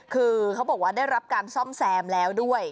คือเขาบอกว่าได้รับการซ่อมแซมแล้วด้วย